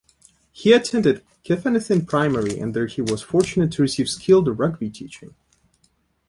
He attended Cefenithin Primary, and there he was fortunate to receive skilled rugby teaching.